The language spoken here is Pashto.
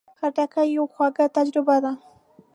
خټکی یوه خواږه تجربه ده.